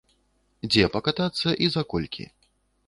Дзе пакатацца і за колькі?